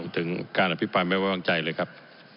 ถึงการอภิปรายไม่ไว้วางใจเลยครับ